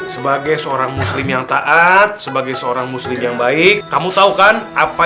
sebagai seorang muslim yang taat sebagai seorang muslim yang baik kamu tahu kan apa